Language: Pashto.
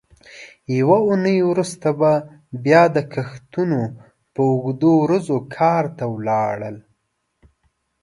یوه اوونۍ وروسته به بیا د کښتونو په اوږدو ورځو کار ته ولاړل.